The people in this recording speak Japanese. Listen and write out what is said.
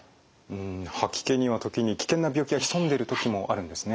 吐き気には時に危険な病気が潜んでる時もあるんですね。